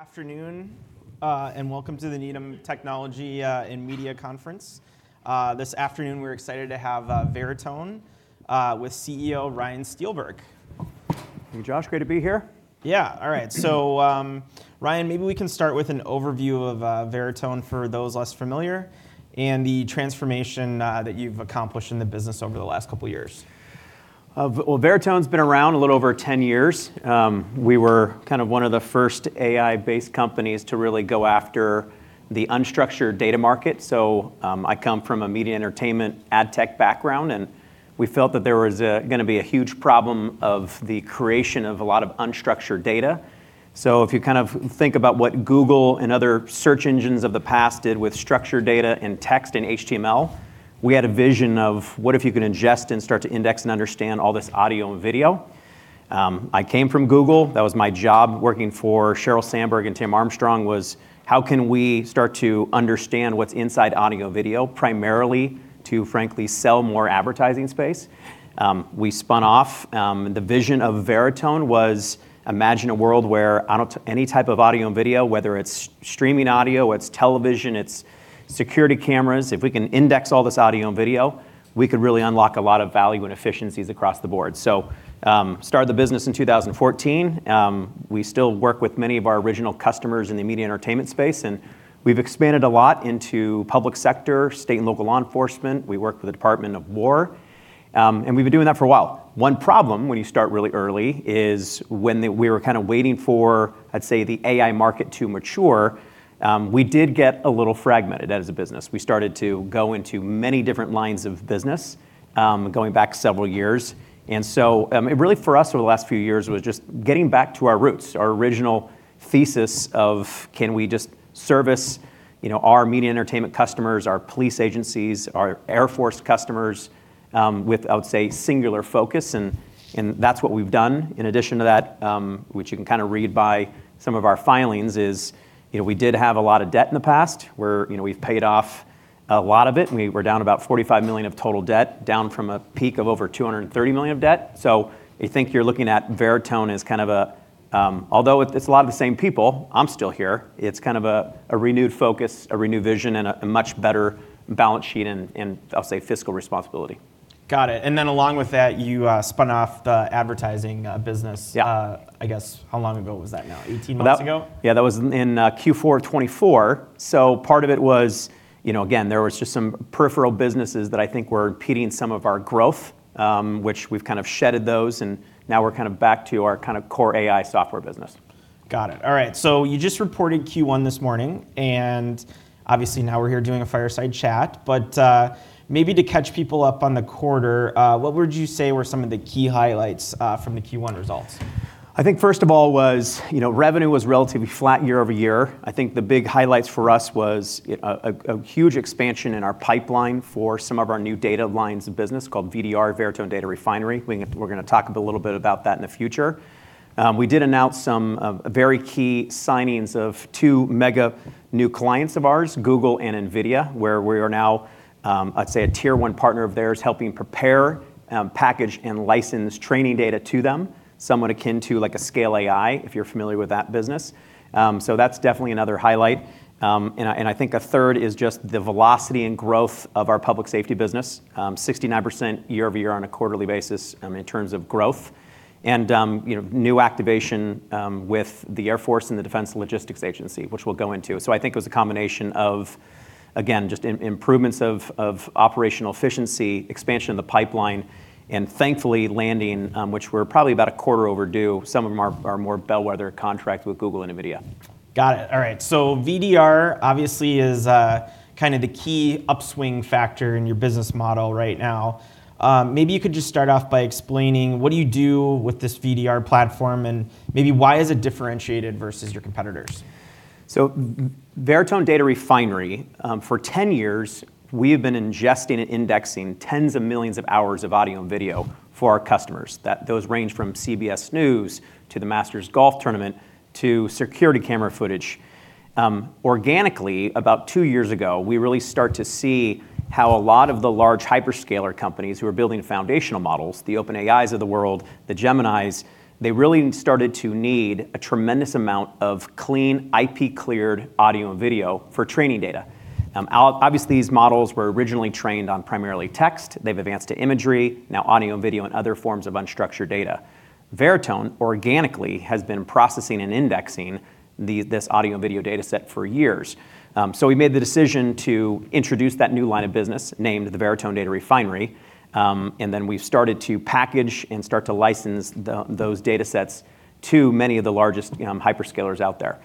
Afternoon, and welcome to the Needham Technology, & Media Conference. This afternoon we're excited to have Veritone, with CEO Ryan Steelberg. Hey, Josh. Great to be here. Yeah. All right. Ryan, maybe we can start with an overview of Veritone for those less familiar and the transformation that you've accomplished in the business over the last couple years. Well, Veritone's been around a little over 10 years. We were kind of one of the first AI-based companies to really go after the unstructured data market. I come from a media entertainment ad tech background, and we felt that there was a gonna be a huge problem of the creation of a lot of unstructured data. If you kind of think about what Google and other search engines of the past did with structured data and text and HTML, we had a vision of what if you can ingest and start to index and understand all this audio and video. I came from Google. That was my job working for Sheryl Sandberg and Tim Armstrong, was: How can we start to understand what's inside audio/video? Primarily, to frankly sell more advertising space. We spun off. The vision of Veritone was imagine a world where any type of audio and video, whether it's streaming audio, it's television, it's security cameras, if we can index all this audio and video, we could really unlock a lot of value and efficiencies across the board. Started the business in 2014. We still work with many of our original customers in the media entertainment space, and we've expanded a lot into public sector, state and local law enforcement. We work for the Department of War. We've been doing that for a while. One problem when you start really early is when we were kind of waiting for, I'd say, the AI market to mature, we did get a little fragmented as a business. We started to go into many different lines of business, going back several years. It really for us, over the last few years, was just getting back to our roots, our original thesis of can we just service, you know, our media entertainment customers, our police agencies, our Air Force customers, with, I would say, singular focus and that's what we've done. In addition to that, which you can kinda read by some of our filings, is, you know, we did have a lot of debt in the past, where, you know, we've paid off a lot of it, and we're down about $45 million of total debt, down from a peak of over $230 million of debt. I think you're looking at Veritone as kind of a Although it's a lot of the same people, I'm still here, it's kind of a renewed focus, a renewed vision, and a much better balance sheet and, I'll say, fiscal responsibility. Got it. Along with that, you spun off the advertising business. Yeah I guess, how long ago was that now? 18 months ago? Well, Yeah, that was in Q4 2024. Part of it was, you know, again, there was just some peripheral businesses that I think were impeding some of our growth, which we've kind of shedded those, and now we're kind of back to our kinda core AI software business. Got it. All right. You just reported Q1 this morning, and obviously now we're here doing a fireside chat. Maybe to catch people up on the quarter, what would you say were some of the key highlights from the Q1 results? I think first of all was, you know, revenue was relatively flat year-over-year. I think the big highlights for us was a huge expansion in our pipeline for some of our new data lines of business called VDR, Veritone Data Refinery. We're gonna talk a little bit about that in the future. We did announce some very key signings of two mega new clients of ours, Google and NVIDIA, where we are now, I'd say, a Tier 1 partner of theirs, helping prepare, package and license training data to them, somewhat akin to like a Scale AI, if you're familiar with that business. That's definitely another highlight. And I think a third is just the velocity and growth of our public safety business. 69% year-over-year on a quarterly basis in terms of growth. You know, new activation with the Air Force and the Defense Logistics Agency, which we'll go into. I think it was a combination of, again, just improvements of operational efficiency, expansion of the pipeline, and thankfully landing, which we're probably about a quarter overdue, some of them are more bellwether contract with Google and NVIDIA. Got it. All right. VDR obviously is, kinda the key upswing factor in your business model right now. Maybe you could just start off by explaining what do you do with this VDR platform, and maybe why is it differentiated versus your competitors? Veritone Data Refinery, for 10 years, we have been ingesting and indexing tens of millions of hours of audio and video for our customers. Those range from CBS News to the Masters Tournament to security camera footage. Organically, about two years ago, we really start to see how a lot of the large hyperscaler companies who are building foundational models, the OpenAIs of the world, the Geminis, they really started to need a tremendous amount of clean, IP-cleared audio and video for training data. Obviously, these models were originally trained on primarily text. They've advanced to imagery, now audio and video and other forms of unstructured data. Veritone organically has been processing and indexing this audio and video dataset for years. We made the decision to introduce that new line of business, named the Veritone Data Refinery, then we've started to package and start to license those datasets to many of the largest hyperscalers out there.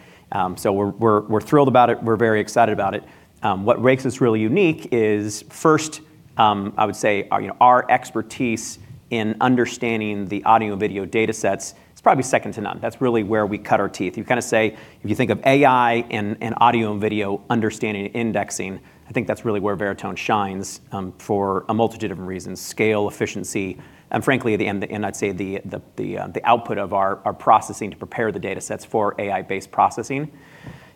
We're thrilled about it. We're very excited about it. What makes us really unique is, first, I would say, you know, our expertise in understanding the audio and video datasets. It's probably second to none. That's really where we cut our teeth. You kind of say if you think of AI and audio and video understanding and indexing, I think that's really where Veritone shines for a multitude of reasons, scale, efficiency, and frankly the end, I'd say the output of our processing to prepare the datasets for AI-based processing.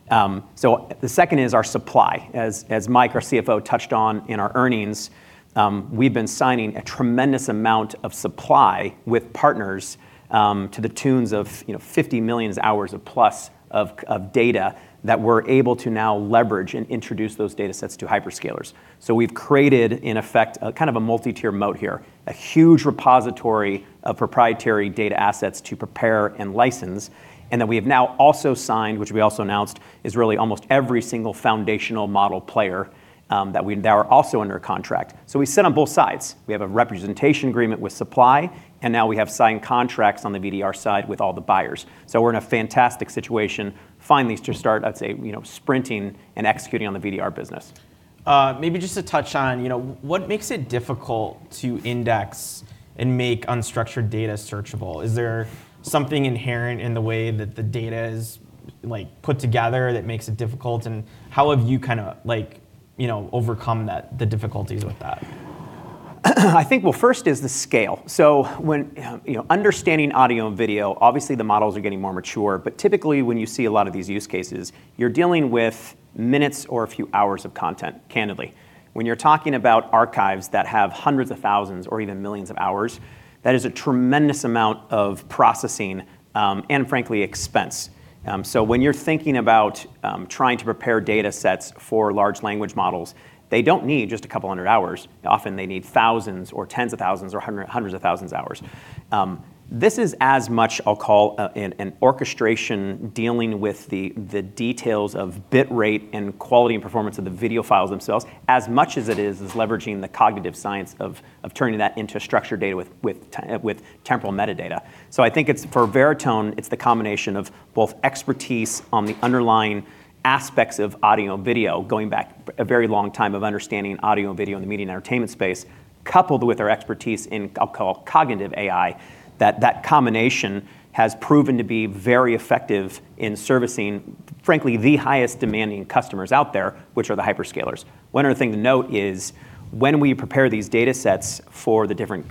The second is our supply. As Mike, our CFO, touched on in our earnings, we've been signing a tremendous amount of supply with partners to the tunes of, you know, 50 million hours of plus of data that we're able to now leverage and introduce those datasets to hyperscalers. We've created, in effect, a kind of a multi-tier moat here, a huge repository of proprietary data assets to prepare and license. That we have now also signed, which we also announced, is really almost every single foundational model player, that are also under contract. We sit on both sides. We have a representation agreement with supply. Now we have signed contracts on the VDR side with all the buyers. We're in a fantastic situation finally to start, let's say, you know, sprinting and executing on the VDR business. Maybe just to touch on, you know, what makes it difficult to index and make unstructured data searchable? Is there something inherent in the way that the data is, like, put together that makes it difficult? How have you kinda like, you know, overcome that, the difficulties with that? I think, well, first is the scale. When, you know, understanding audio and video, obviously the models are getting more mature. Typically, when you see a lot of these use cases, you're dealing with minutes or a few hours of content, candidly. When you're talking about archives that have hundreds of thousands or even millions of hours, that is a tremendous amount of processing, and frankly, expense. When you're thinking about trying to prepare datasets for large language models, they don't need just a couple hundred hours. Often, they need thousands or tens of thousands or hundreds of thousands of hours. This is as much, I'll call, an orchestration dealing with the details of bitrate and quality and performance of the video files themselves, as much as it is leveraging the cognitive science of turning that into structured data with temporal metadata. I think it's, for Veritone, it's the combination of both expertise on the underlying aspects of audio and video, going back a very long time of understanding audio and video in the media and entertainment space, coupled with our expertise in I'll call cognitive AI, that combination has proven to be very effective in servicing, frankly, the highest demanding customers out there, which are the hyperscalers. One other thing to note is when we prepare these datasets for the different,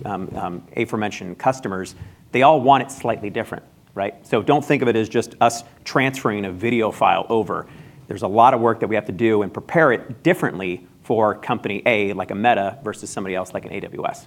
aforementioned customers, they all want it slightly different, right? Don't think of it as just us transferring a video file over. There's a lot of work that we have to do and prepare it differently for company A, like a Meta, versus somebody else, like an AWS.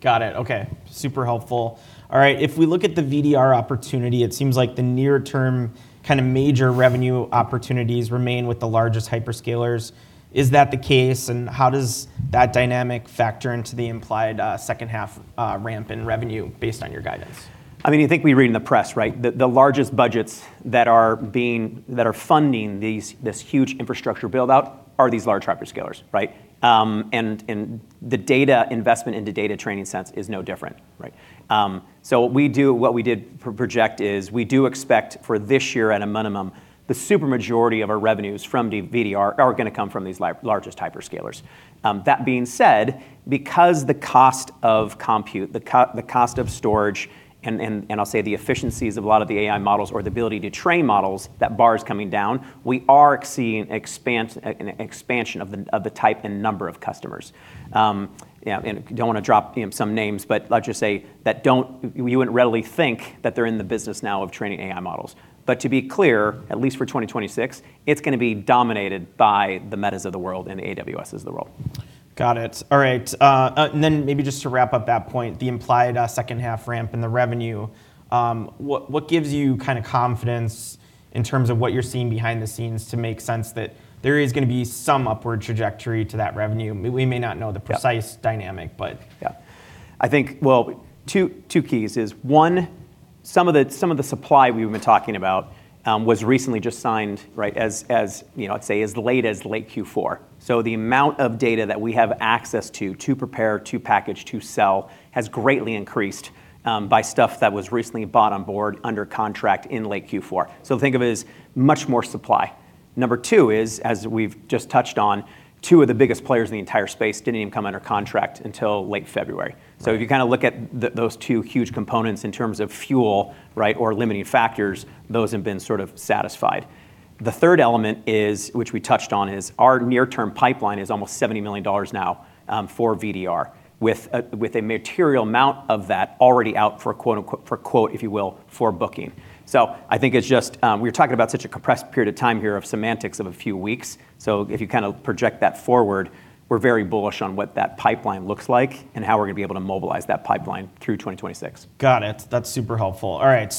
Got it. Okay. Super helpful. All right. If we look at the VDR opportunity, it seems like the near-term kinda major revenue opportunities remain with the largest hyperscalers. Is that the case, and how does that dynamic factor into the implied, second half, ramp in revenue based on your guidance? I mean, you think we read in the press, right? The largest budgets that are funding this huge infrastructure build-out are these large hyperscalers, right? The data investment into data training sense is no different, right? What we did project is we do expect for this year at a minimum, the super majority of our revenues from the VDR are gonna come from these largest hyperscalers. That being said, because the cost of compute, the cost of storage, and I'll say the efficiencies of a lot of the AI models or the ability to train models, that bar is coming down. We are seeing an expansion of the type and number of customers. Yeah, and don't wanna drop, you know, some names, but let's just say that you wouldn't readily think that they're in the business now of training AI models. To be clear, at least for 2026, it's gonna be dominated by the Metas of the world and the AWSs of the world. Got it. All right. Then maybe just to wrap up that point, the implied second half ramp and the revenue, what gives you kinda confidence in terms of what you're seeing behind the scenes to make sense that there is gonna be some upward trajectory to that revenue? We may not know the-precise dynamic, but- I think, well, two keys is one, some of the supply we've been talking about, was recently just signed, right? As, you know, let's say as late Q4. The amount of data that we have access to prepare, to package, to sell has greatly increased by stuff that was recently bought on board under contract in late Q4. Think of it as much more supply. Number two is, as we've just touched on, two of the biggest players in the entire space didn't even come under contract until late February. Right. If you kinda look at those two huge components in terms of fuel, right, or limiting factors, those have been sort of satisfied. The third element is, which we touched on, is our near-term pipeline is almost $70 million now for VDR, with a material amount of that already out for a quote, if you will, for booking. I think it's just, we were talking about such a compressed period of time here of semantics of a few weeks. If you kinda project that forward, we're very bullish on what that pipeline looks like and how we're gonna be able to mobilize that pipeline through 2026. Got it. That's super helpful. All right.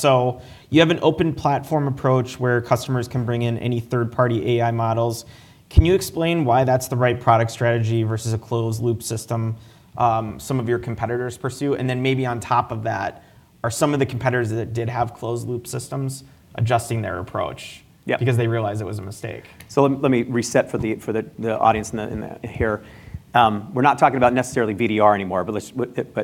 You have an open platform approach where customers can bring in any third-party AI models. Can you explain why that's the right product strategy versus a closed-loop system, some of your competitors pursue? Maybe on top of that, are some of the competitors that did have closed-loop systems adjusting their approach? Yeah because they realized it was a mistake? Let me reset for the audience in here. We're not talking about necessarily VDR anymore.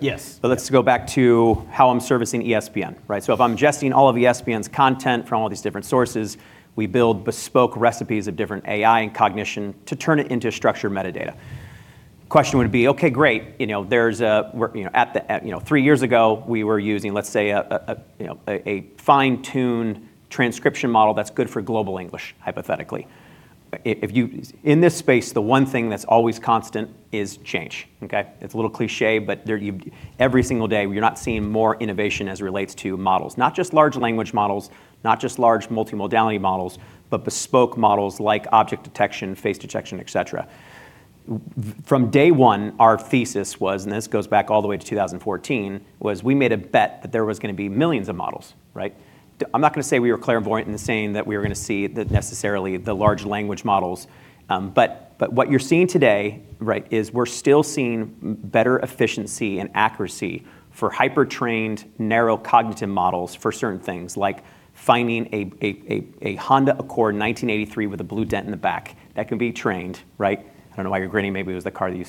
Yes Let's go back to how I'm servicing ESPN, right? If I'm ingesting all of ESPN's content from all these different sources, we build bespoke recipes of different AI and cognition to turn it into structured metadata. Question would be, okay, great, you know, there's, you know, at the, you know, three years ago, we were using, let's say, a fine-tuned transcription model that's good for global English, hypothetically. If you, in this space, the one thing that's always constant is change, okay? It's a little cliché, but every single day, we're not seeing more innovation as it relates to models. Not just large language models, not just large multimodality models, but bespoke models like object detection, face detection, et cetera. From day one, our thesis was, and this goes back all the way to 2014, was we made a bet that there was gonna be millions of models, right? I'm not gonna say we were clairvoyant in saying that we were gonna see the, necessarily the large language models, but what you're seeing today, right, is we're still seeing better efficiency and accuracy for hyper-trained, narrow cognitive models for certain things, like finding a Honda Accord 1983 with a blue dent in the back. That can be trained, right? I don't know why you're grinning. Maybe it was the car that you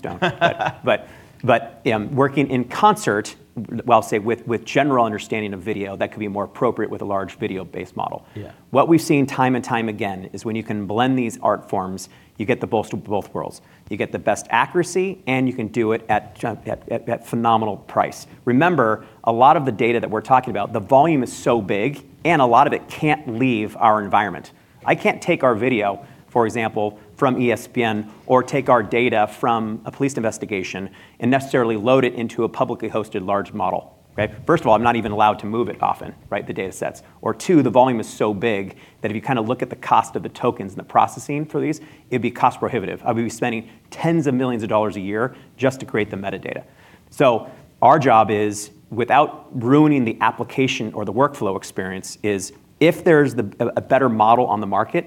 stole. Working in concert, well, I'll say with general understanding of video, that could be more appropriate with a large video-based model. Yeah. What we've seen time and time again is when you can blend these art forms, you get the both worlds. You get the best accuracy, and you can do it at phenomenal price. Remember, a lot of the data that we're talking about, the volume is so big, and a lot of it can't leave our environment. I can't take our video, for example, from ESPN or take our data from a police investigation and necessarily load it into a publicly hosted large model. Okay? First of all, I'm not even allowed to move it often, right? The datasets. Or two, the volume is so big that if you kinda look at the cost of the tokens and the processing for these, it'd be cost prohibitive. I'd be spending tens of millions of dollars a year just to create the metadata. Our job is, without ruining the application or the workflow experience, if there's a better model on the market,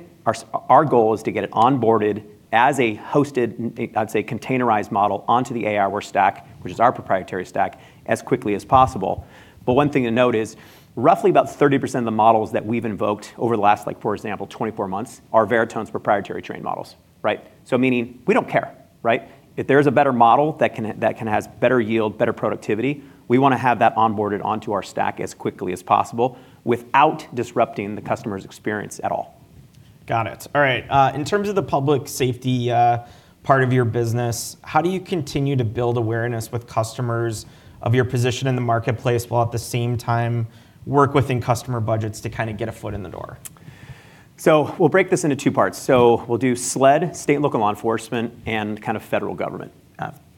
our goal is to get it onboarded as a hosted, a containerized model onto the aiWARE stack, which is our proprietary stack, as quickly as possible. One thing to note is roughly about 30% of the models that we've invoked over the last, like for example, 24 months, are Veritone's proprietary trained models, right? Meaning we don't care, right? If there's a better model that has better yield, better productivity, we wanna have that onboarded onto our stack as quickly as possible without disrupting the customer's experience at all. Got it. All right. In terms of the public safety, part of your business, how do you continue to build awareness with customers of your position in the marketplace, while at the same time work within customer budgets to kinda get a foot in the door? We'll break this into two parts. We'll do SLED, state and local law enforcement, and kind of federal government.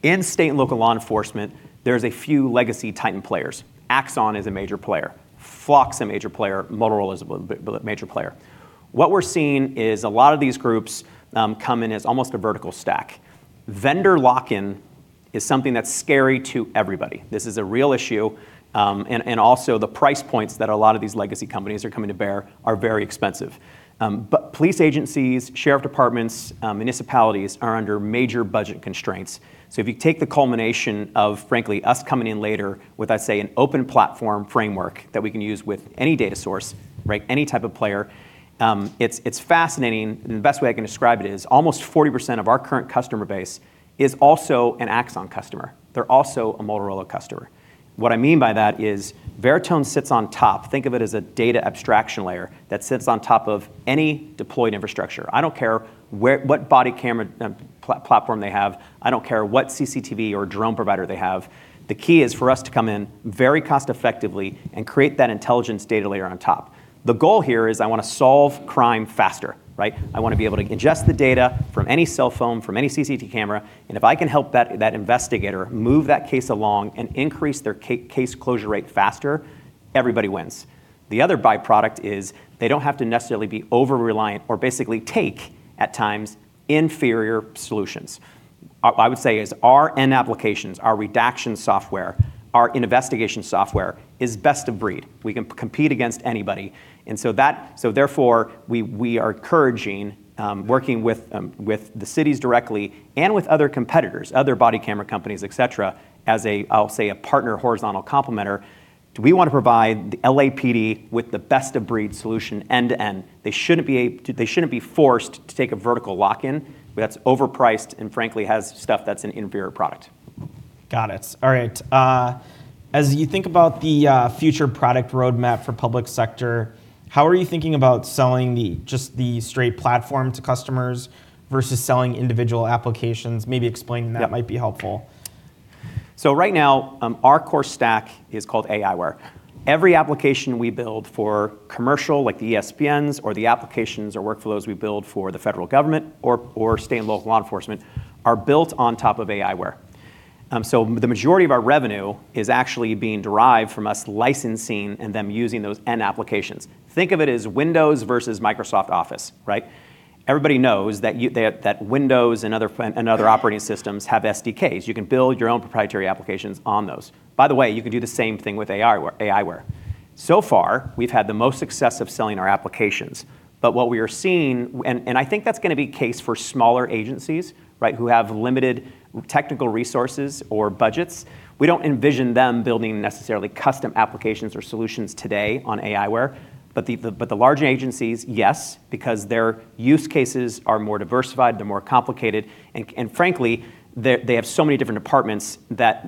In state and local law enforcement, there's a few legacy titan players. Axon is a major player. Flock is a major player. Motorola is a major player. What we're seeing is a lot of these groups come in as almost a vertical stack. Vendor lock-in is something that's scary to everybody. This is a real issue. And also the price points that a lot of these legacy companies are coming to bear are very expensive. Police agencies, sheriff departments, municipalities are under major budget constraints. If you take the culmination of, frankly, us coming in later with, I'd say, an open platform framework that we can use with any data source, right, any type of player, it's fascinating. The best way I can describe it is almost 40% of our current customer base is also an Axon customer. They're also a Motorola customer. What I mean by that is Veritone sits on top. Think of it as a data abstraction layer that sits on top of any deployed infrastructure. I don't care where, what body camera, platform they have. I don't care what CCTV or drone provider they have. The key is for us to come in very cost effectively and create that intelligence data layer on top. The goal here is I wanna solve crime faster, right? I wanna be able to ingest the data from any cell phone, from any CCTV camera, and if I can help that investigator move that case along and increase their case closure rate faster, everybody wins. The other byproduct is they don't have to necessarily be over-reliant or basically take, at times, inferior solutions. I would say is our end applications, our redaction software, our investigation software is best of breed. We can compete against anybody, and so therefore, we are encouraging working with with the cities directly and with other competitors, other body camera companies, et cetera, as a, I'll say a partner horizontal complementor. Do we wanna provide the LAPD with the best of breed solution end to end? They shouldn't be forced to take a vertical lock-in that's overpriced and frankly has stuff that's an inferior product. Got it. All right. As you think about the future product roadmap for public sector, how are you thinking about selling just the straight platform to customers versus selling individual applications? Maybe explaining that might be helpful. Right now, our core stack is called aiWARE. Every application we build for commercial, like the ESPNs or the applications or workflows we build for the federal government or state and local law enforcement, are built on top of aiWARE. The majority of our revenue is actually being derived from us licensing and them using those end applications. Think of it as Windows versus Microsoft Office, right? Everybody knows that Windows and other operating systems have SDKs. You can build your own proprietary applications on those. By the way, you can do the same thing with aiWARE. Far, we've had the most success of selling our applications. What we are seeing, and I think that's going to be case for smaller agencies, right, who have limited technical resources or budgets, we don't envision them building necessarily custom applications or solutions today on aiWARE. The larger agencies, yes, because their use cases are more diversified, they're more complicated, and frankly, they have so many different departments that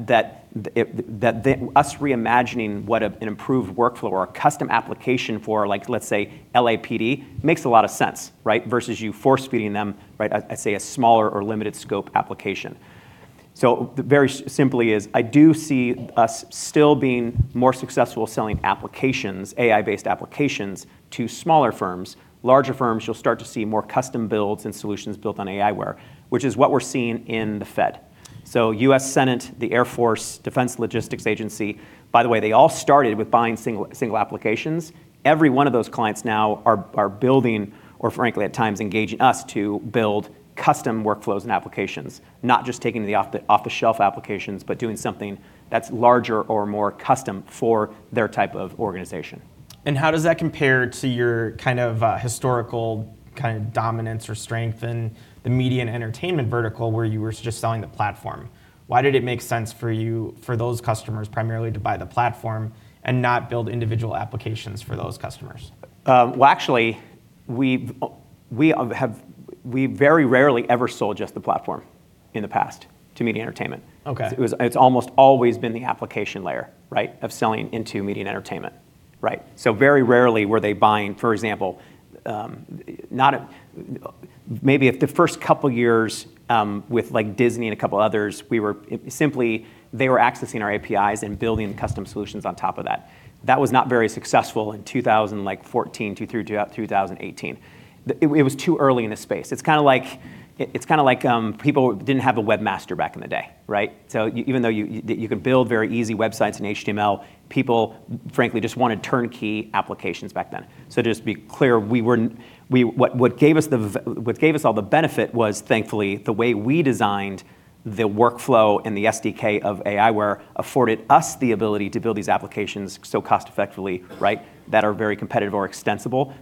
us reimagining what a, an improved workflow or a custom application for like, let's say, LAPD, makes a lot of sense, right? Versus you force-feeding them, right, I say a smaller or limited scope application. Very simply is I do see us still being more successful selling applications, AI-based applications to smaller firms. Larger firms, you'll start to see more custom builds and solutions built on aiWARE, which is what we're seeing in the Fed. U.S. Senate, the Air Force, Defense Logistics Agency, by the way, they all started with buying single applications. Every one of those clients now are building or frankly at times engaging us to build custom workflows and applications. Not just taking the off the shelf applications, but doing something that's larger or more custom for their type of organization. How does that compare to your kind of historical kind of dominance or strength in the media and entertainment vertical where you were just selling the platform? Why did it make sense for you, for those customers primarily to buy the platform and not build individual applications for those customers? Well, actually, we have, we very rarely ever sold just the platform in the past to media and entertainment. Okay. It's almost always been the application layer, right? Of selling into media and entertainment, right? Very rarely were they buying, for example, Maybe if the first couple years, with like Disney and a couple others, we were simply, they were accessing our APIs and building custom solutions on top of that. That was not very successful in 2014 through 2018. It was too early in the space. It's kinda like, people didn't have a webmaster back in the day, right? Even though you could build very easy websites in HTML, people frankly just wanted turnkey applications back then. Just to be clear, what gave us all the benefit was thankfully the way we designed the workflow and the SDK of aiWARE afforded us the ability to build these applications so cost effectively, right? That are very competitive or extensible.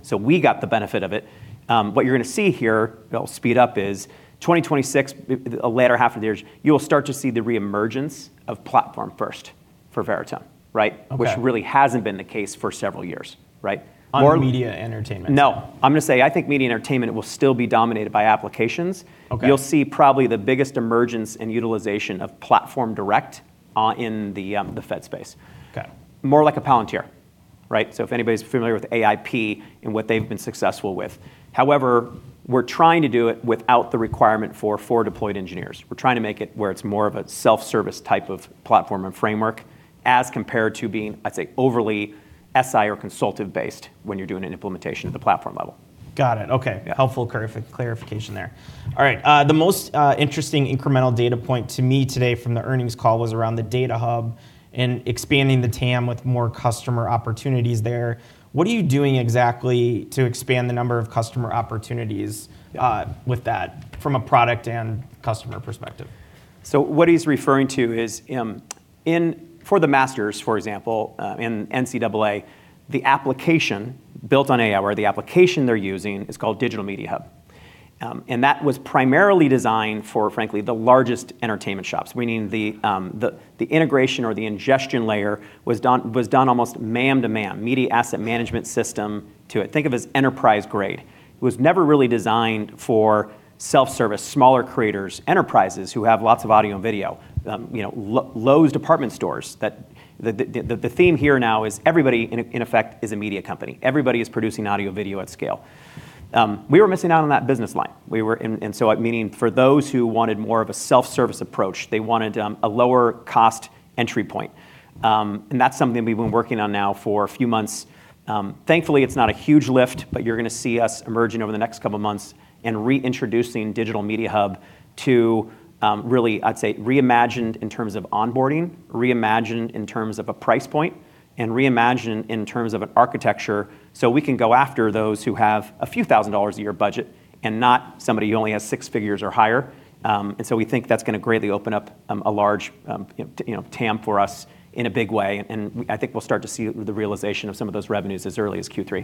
What you're gonna see here, it'll speed up, is 2026, the latter half of the years, you'll start to see the re-emergence of platform first for Veritone, right? Okay. Which really hasn't been the case for several years, right? On media and entertainment. No. I'm gonna say I think media and entertainment will still be dominated by applications. Okay. You'll see probably the biggest emergence in utilization of platform direct on, in the Fed space. Okay. More like a Palantir, right? If anybody's familiar with AIP and what they've been successful with. However, we're trying to do it without the requirement for four deployed engineers. We're trying to make it where it's more of a self-service type of platform and framework as compared to being, I'd say, overly SI or consultative based when you're doing an implementation at the platform level. Got it. Okay. Yeah. Helpful clarification there. All right, the most interesting incremental data point to me today from the earnings call was around the data hub and expanding the TAM with more customer opportunities there. What are you doing exactly to expand the number of customer opportunities with that from a product and customer perspective? What he's referring to is for the Masters, for example, in NCAA, the application built on aiWARE, the application they're using is called Digital Media Hub. That was primarily designed for, frankly, the largest entertainment shops, meaning the integration or the ingestion layer was done almost MAM to MAM, Media Asset Management system to it. Think of as enterprise grade. It was never really designed for self-service, smaller creators, enterprises who have lots of audio and video. You know, Lowe's department stores that the theme here now is everybody in effect is a media company. Everybody is producing audio and video at scale. We were missing out on that business line. Meaning for those who wanted more of a self-service approach, they wanted a lower cost entry point. That's something we've been working on now for a few months. Thankfully, it's not a huge lift, but you're gonna see us emerging over the next couple of months and reintroducing Digital Media Hub to, really, I'd say, reimagined in terms of onboarding, reimagined in terms of a price point, and reimagined in terms of an architecture, so we can go after those who have a few thousand dollars a year budget and not somebody who only has six figures or higher. We think that's gonna greatly open up, a large, you know, TAM for us in a big way, and I think we'll start to see the realization of some of those revenues as early as Q3.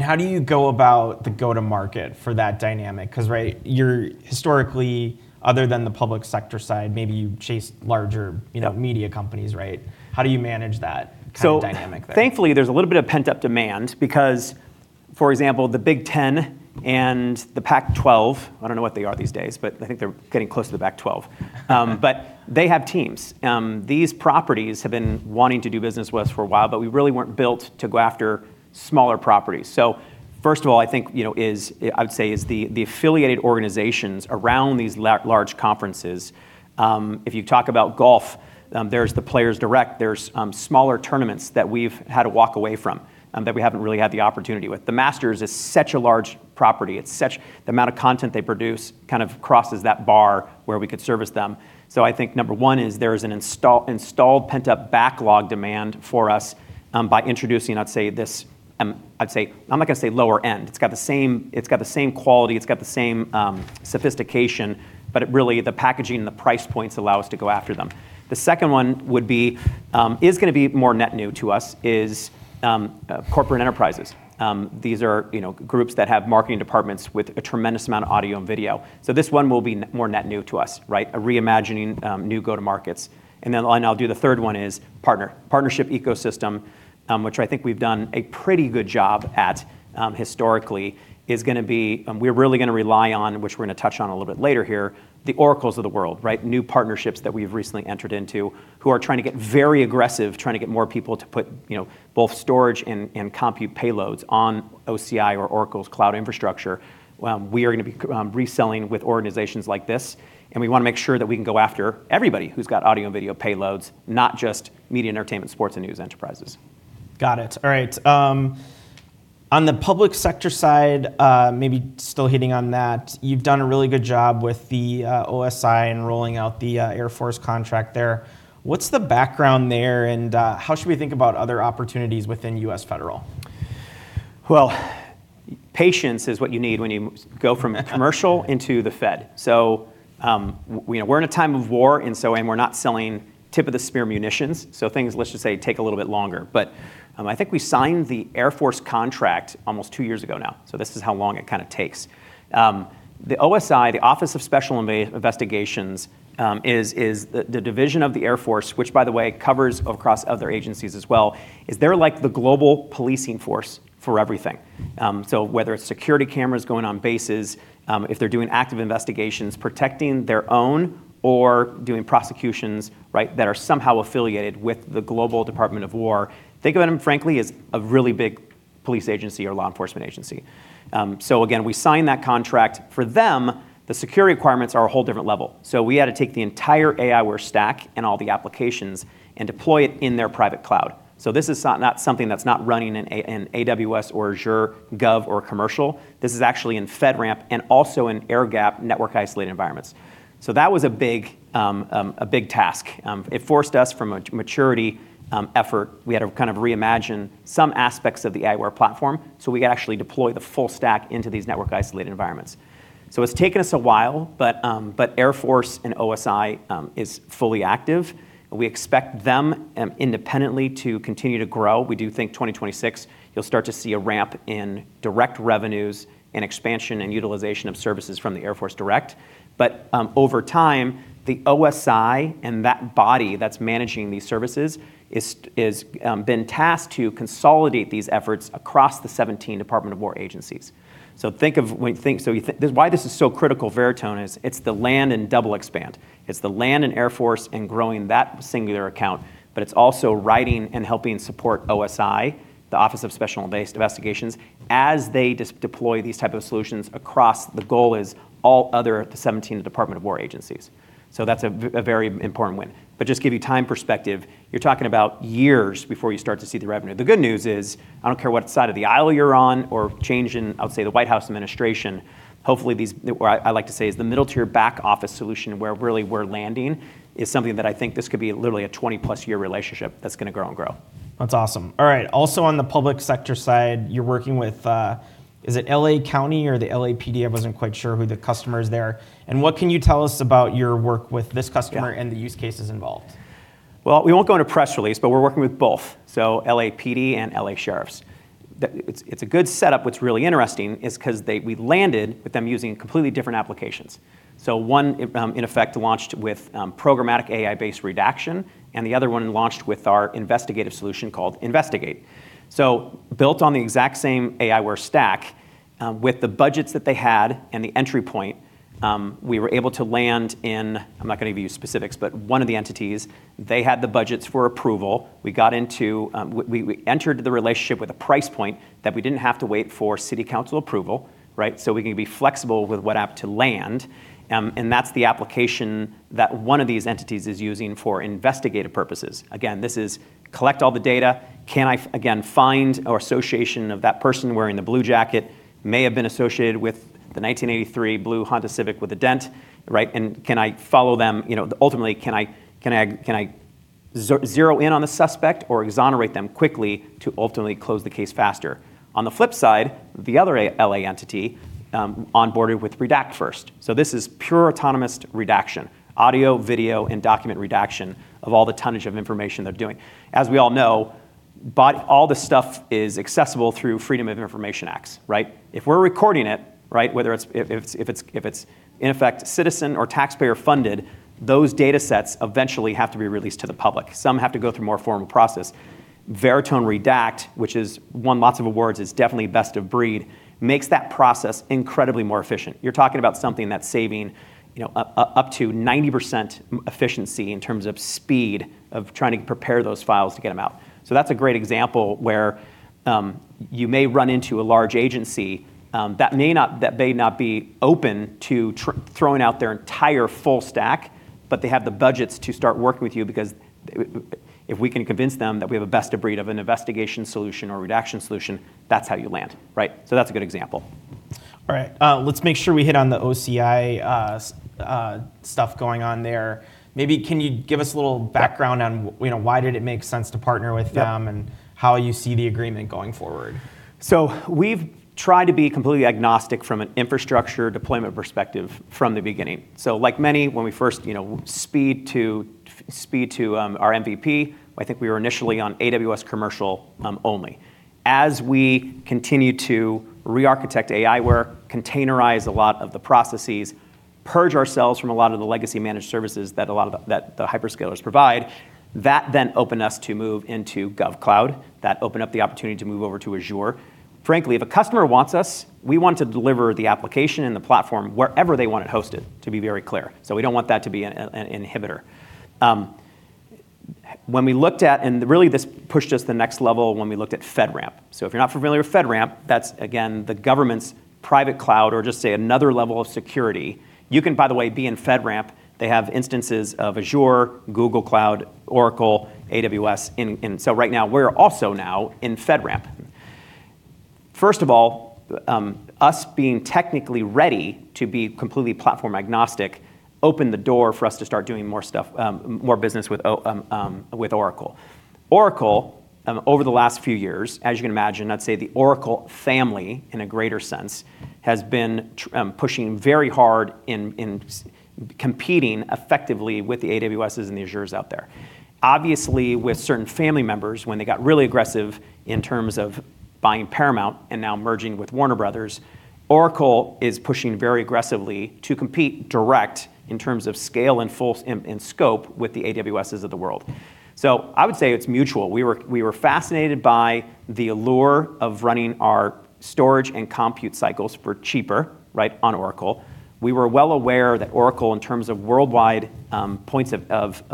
How do you go about the go-to-market for that dynamic? 'Cause right, you're historically, other than the public sector side, maybe you chase larger- Yeah you know, media companies, right? How do you manage that kind of dynamic there? Thankfully, there's a little bit of pent-up demand because, for example, the Big Ten and the Pac-12, I don't know what they are these days, but I think they're getting close to the Pac-12. They have teams. These properties have been wanting to do business with us for a while, but we really weren't built to go after smaller properties. First of all, I think, you know, is, I would say, is the affiliated organizations around these large conferences, if you talk about golf, there's the Players Direct. There's smaller tournaments that we've had to walk away from that we haven't really had the opportunity with. The Masters is such a large property. The amount of content they produce kind of crosses that bar where we could service them. I think number one is there is an installed pent-up backlog demand for us, by introducing, I'd say, this, I'm not gonna say lower end. It's got the same quality, it's got the same sophistication, but it really, the packaging and the price points allow us to go after them. The second one would be, is gonna be more net new to us, is corporate enterprises. These are, you know, groups that have marketing departments with a tremendous amount of audio and video. This one will be more net new to us, right? A reimagining, new go-to markets. I'll do the third one is partner. Partnership ecosystem, which I think we've done a pretty good job at, historically, is gonna be, we're really gonna rely on, which we're gonna touch on a little bit later here, the Oracles of the world, right? New partnerships that we've recently entered into who are trying to get very aggressive, trying to get more people to put, you know, both storage and compute payloads on OCI or Oracle Cloud Infrastructure. We are gonna be reselling with organizations like this, and we wanna make sure that we can go after everybody who's got audio and video payloads, not just media and entertainment, sports, and news enterprises. Got it. All right. On the public sector side, maybe still hitting on that, you've done a really good job with the OSI in rolling out the Air Force contract there. What's the background there, and how should we think about other opportunities within U.S. Federal? Patience is what you need when you go from commercial into the Fed. We're in a time of war, and so, and we're not selling tip-of-the-spear munitions, so things, let's just say, take a little bit longer. I think we signed the Air Force contract almost two years ago now. This is how long it kinda takes. The OSI, the Office of Special Investigations, is the division of the Air Force, which by the way, covers across other agencies as well. They're like the global policing force for everything. Whether it's security cameras going on bases, if they're doing active investigations, protecting their own or doing prosecutions, right, that are somehow affiliated with the global Department of War. Think of them frankly as a really big police agency or law enforcement agency. Again, we sign that contract. For them, the security requirements are a whole different level. We had to take the entire aiWARE stack and all the applications and deploy it in their private cloud. This is not something that's not running in AWS or Azure Gov or Commercial. This is actually in FedRAMP and also in air-gap, network-isolated environments. That was a big task. It forced us from a maturity effort. We had to kind of reimagine some aspects of the aiWARE platform, so we could actually deploy the full stack into these network-isolated environments. It's taken us a while, but Air Force and OSI is fully active. We expect them independently to continue to grow. We do think 2026 you'll start to see a ramp in direct revenues and expansion and utilization of services from the Air Force direct. Over time, the OSI and that body that's managing these services is been tasked to consolidate these efforts across the 17 Department of War agencies. Why this is so critical to Veritone is it's the land and double expand. It's the land and Air Force and growing that singular account, but it's also writing and helping support OSI, the Office of Special Investigations, as they deploy these type of solutions across, the goal is all other 17 Department of War agencies. That's a very important win. Just give you time perspective, you're talking about years before you start to see the revenue. The good news is, I don't care what side of the aisle you're on or change in, I'll say, the White House administration, hopefully these, what I like to say is the middle-tier back office solution where really we're landing is something that I think this could be literally a 20+ year relationship that's gonna grow and grow. That's awesome. All right. Also on the public sector side, you're working with, is it L.A. County or the LAPD? I wasn't quite sure who the customer is there. What can you tell us about your work with this customer? Yeah The use cases involved? We won't go into press release. We're working with both, LAPD and L.A. Sheriff's. It's a good setup. What's really interesting is we landed with them using completely different applications. One, in effect, launched with programmatic AI-based redaction, the other one launched with our investigative solution called Investigate. Built on the exact same aiWARE stack, with the budgets that they had, the entry point, we were able to land in, I'm not gonna give you specifics, one of the entities, they had the budgets for approval. We got into, we entered the relationship with a price point that we didn't have to wait for city council approval, right? We can be flexible with what app to land, and that's the application that one of these entities is using for investigative purposes. This is collect all the data. Can I find or association of that person wearing the blue jacket may have been associated with the 1983 blue Honda Civic with a dent, right? Can I follow them? You know, ultimately, can I zero in on the suspect or exonerate them quickly to ultimately close the case faster? On the flip side, the other L.A. entity onboarded with Redact first. This is pure autonomous redaction, audio, video, and document redaction of all the tonnage of information they're doing. As we all know, by all this stuff is accessible through Freedom of Information Acts, right? If we're recording it, right, whether it's if it's in effect citizen or taxpayer funded, those datasets eventually have to be released to the public. Some have to go through more formal process. Veritone Redact, which has won lots of awards, is definitely best of breed, makes that process incredibly more efficient. You're talking about something that's saving, you know, up to 90% efficiency in terms of speed of trying to prepare those files to get them out. That's a great example where you may run into a large agency that may not be open to throwing out their entire full stack, but they have the budgets to start working with you because if we can convince them that we have a best of breed of an investigation solution or redaction solution, that's how you land, right? That's a good example. All right. Let's make sure we hit on the OCI, stuff going on there. Maybe can you give us a little background on, you know, why did it make sense to partner with them? Yeah How you see the agreement going forward? We've tried to be completely agnostic from an infrastructure deployment perspective from the beginning. Like many, when we first speed to our MVP, I think we were initially on AWS commercial only. As we continue to rearchitect aiWARE, containerize a lot of the processes, purge ourselves from a lot of the legacy managed services that a lot of the, that the hyperscalers provide, that then opened us to move into GovCloud. That opened up the opportunity to move over to Azure. Frankly, if a customer wants us, we want to deliver the application and the platform wherever they want it hosted, to be very clear. We don't want that to be an inhibitor. When we looked at, and really this pushed us to the next level when we looked at FedRAMP. If you're not familiar with FedRAMP, that's again, the government's private cloud or just say another level of security. You can, by the way, be in FedRAMP. They have instances of Azure, Google Cloud, Oracle, AWS. Right now, we're also now in FedRAMP. First of all, us being technically ready to be completely platform-agnostic opened the door for us to start doing more stuff, more business with Oracle. Oracle, over the last few years, as you can imagine, I'd say the Oracle family in a greater sense has been pushing very hard in competing effectively with the AWS's and the Azures out there. With certain family members, when they got really aggressive in terms of buying Paramount and now merging with Warner Bros., Oracle is pushing very aggressively to compete direct in terms of scale and full in scope with the AWS's of the world. I would say it's mutual. We were fascinated by the allure of running our storage and compute cycles for cheaper, right, on Oracle. We were well aware that Oracle, in terms of worldwide points of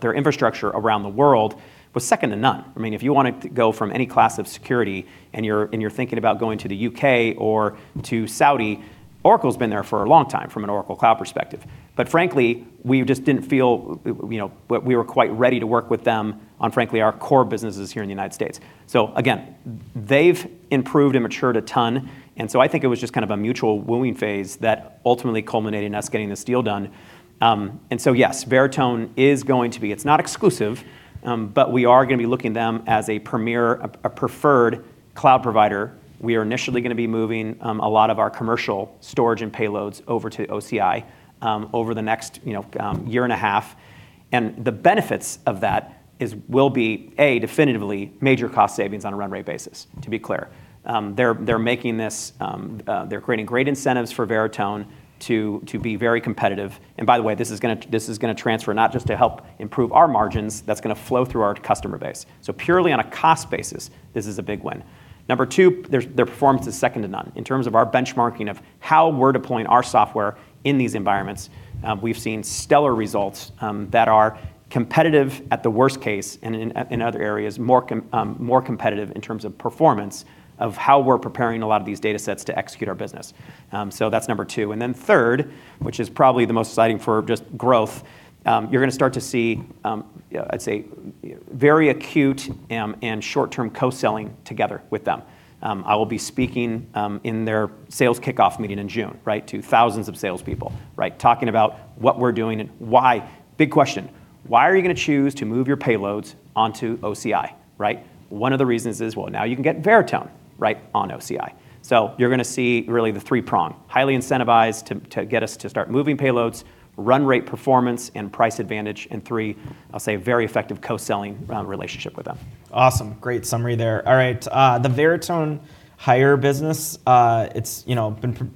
their infrastructure around the world was second to none. I mean, if you wanted to go from any class of security and you're thinking about going to the U.K. or to Saudi, Oracle's been there for a long time from an Oracle Cloud perspective. Frankly, we just didn't feel, you know, we were quite ready to work with them on, frankly, our core businesses here in the United States. Again, they've improved and matured a ton, I think it was just kind of a mutual wooing phase that ultimately culminated in us getting this deal done. Yes, Veritone is going to be It's not exclusive, but we are gonna be looking at them as a premier, a preferred cloud provider. We are initially gonna be moving a lot of our commercial storage and payloads over to OCI over the next, you know, year and a half. The benefits of that is will be, A, definitively major cost savings on a run rate basis, to be clear. They're making this, they're creating great incentives for Veritone to be very competitive. By the way, this is gonna transfer not just to help improve our margins, that's gonna flow through our customer base. Purely on a cost basis, this is a big win. Number two, their performance is second to none. In terms of our benchmarking of how we're deploying our software in these environments, we've seen stellar results that are competitive at the worst case and in other areas more competitive in terms of performance of how we're preparing a lot of these data sets to execute our business. That's number two. Third, which is probably the most exciting for just growth, you're gonna start to see, you know, I'd say very acute, and short-term co-selling together with them. I will be speaking in their sales kickoff meeting in June, right, to thousands of salespeople, right? Talking about what we're doing and why. Big question: Why are you gonna choose to move your payloads onto OCI, right? One of the reasons is, well, now you can get Veritone, right, on OCI. You're gonna see really the three-prong. Highly incentivized to get us to start moving payloads, run rate performance and price advantage. Three, I'd say a very effective co-selling, relationship with them. Awesome. Great summary there. All right, the Veritone Hire business, it's, you know, been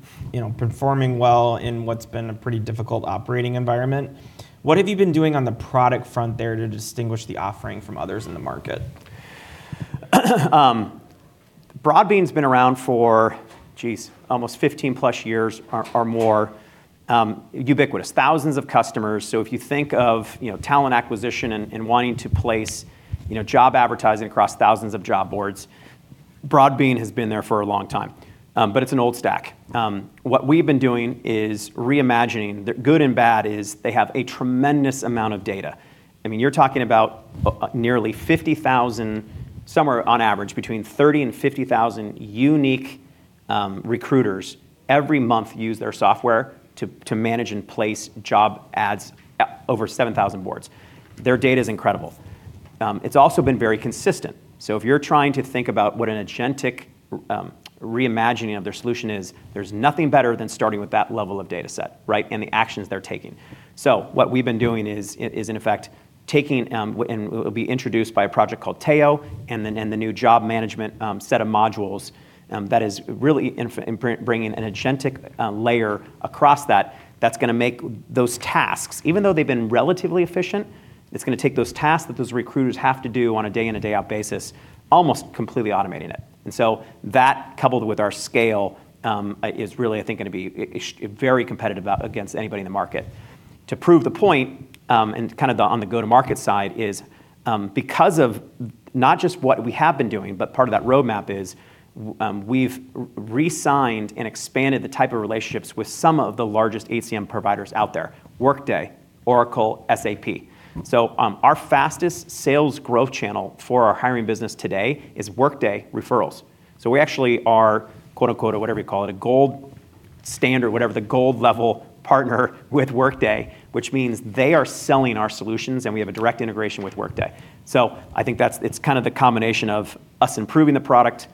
performing well in what's been a pretty difficult operating environment. What have you been doing on the product front there to distinguish the offering from others in the market? Broadbean's been around for, geez, almost 15+ years or more. Ubiquitous. Thousands of customers, if you think of, you know, talent acquisition and wanting to place, you know, job advertising across thousands of job boards, Broadbean has been there for a long time. It's an old stack. What we've been doing is reimagining the good and bad is they have a tremendous amount of data. I mean, you're talking about nearly 50,000, somewhere on average between 30,000 and 50,000 unique recruiters every month use their software to manage and place job ads at over 7,000 boards. Their data is incredible. It's also been very consistent. If you're trying to think about what an agentic reimagining of their solution is, there's nothing better than starting with that level of data set, right? The actions they're taking. What we've been doing is in effect taking, and it will be introduced by a project called Tao and then the new job management, set of modules, that is really bringing an agentic, layer across that that's gonna make those tasks, even though they've been relatively efficient, it's gonna take those tasks that those recruiters have to do on a day in and day out basis almost completely automating it. That coupled with our scale, is really I think gonna be very competitive against anybody in the market. To prove the point, and kind of the on the go-to-market side is, because of not just what we have been doing, but part of that roadmap is, we've resigned and expanded the type of relationships with some of the largest HCM providers out there, Workday, Oracle, SAP. Our fastest sales growth channel for our hiring business today is Workday referrals. We actually are, quote, unquote or whatever you call it, a gold standard, whatever, the gold level partner with Workday, which means they are selling our solutions, and we have a direct integration with Workday. I think that's, it's kind of the combination of us improving the product,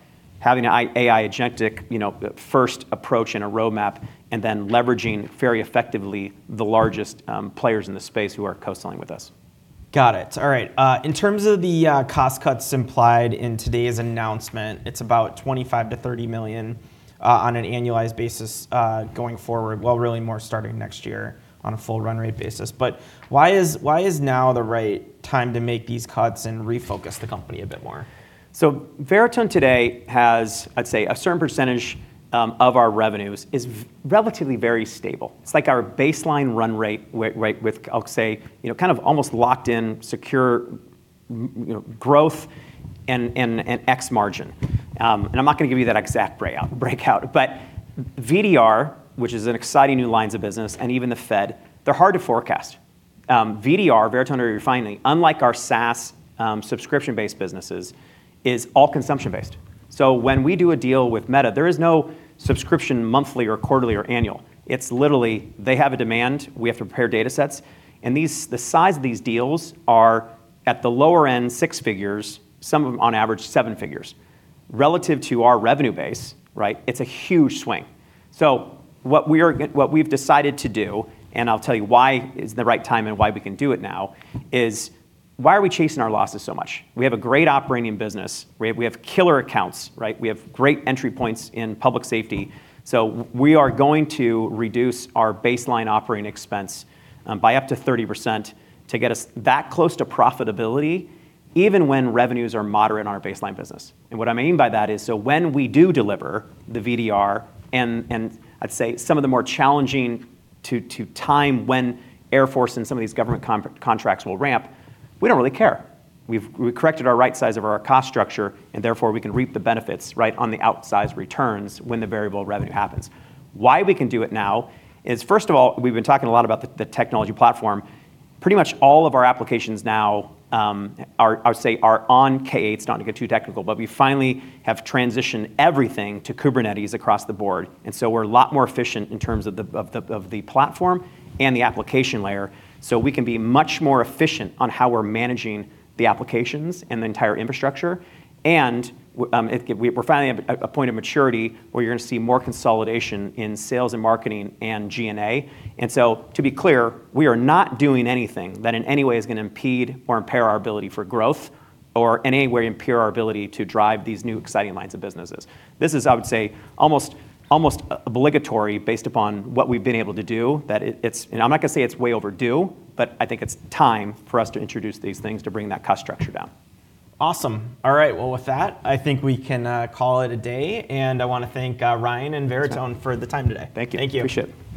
having a AI agentic, you know, first approach and a roadmap, and then leveraging very effectively the largest players in the space who are co-selling with us. Got it. All right. In terms of the cost cuts implied in today's announcement, it's about $25 million-$30 million on an annualized basis, going forward. Really more starting next year on a full run rate basis. Why is now the right time to make these cuts and refocus the company a bit more? Veritone today has, I'd say, a certain percentage of our revenues is relatively very stable. It's like our baseline run rate with, I'll say, you know, kind of almost locked in, secure, you know, growth and, and X margin. And I'm not gonna give you that exact breakout. VDR, which is an exciting new lines of business, and even the Fed, they're hard to forecast. VDR, Veritone Data Refinery, unlike our SaaS subscription-based businesses, is all consumption-based. When we do a deal with Meta, there is no subscription monthly or quarterly or annual. It's literally they have a demand, we have to prepare datasets. These the size of these deals are, at the lower end, six figures, some of them, on average, seven figures. Relative to our revenue base, right, it's a huge swing. What we've decided to do, and I'll tell you why it's the right time and why we can do it now, is why are we chasing our losses so much? We have a great operating business. We have killer accounts, right? We have great entry points in public safety. We are going to reduce our baseline operating expense by up to 30% to get us that close to profitability even when revenues are moderate in our baseline business. What I mean by that is, when we do deliver the VDR and I'd say some of the more challenging to time when Air Force and some of these government contracts will ramp, we don't really care. We've corrected our right size of our cost structure. Therefore, we can reap the benefits on the outsized returns when the variable revenue happens. Why we can do it now is, first of all, we've been talking a lot about the technology platform. Pretty much all of our applications now are, I would say, on K8s. It's not to get too technical. We finally have transitioned everything to Kubernetes across the board. We're a lot more efficient in terms of the platform and the application layer. We can be much more efficient on how we're managing the applications and the entire infrastructure. We're finally at a point of maturity where you're gonna see more consolidation in sales and marketing and G&A. To be clear, we are not doing anything that in any way is gonna impede or impair our ability for growth or in any way impair our ability to drive these new exciting lines of businesses. This is, I would say, almost obligatory based upon what we've been able to do. I'm not gonna say it's way overdue, but I think it's time for us to introduce these things to bring that cost structure down. Awesome. All right. Well, with that, I think we can call it a day. I wanna thank Ryan and Veritone. Yeah for the time today. Thank you. Thank you. Appreciate it.